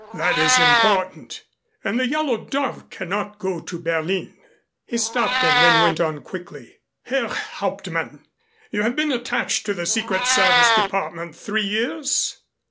That is important, and the Yellow Dove cannot go to Berlin." He stopped and then went on quickly: "Herr Hauptmann, you have been attached to the Secret Service Department three years?"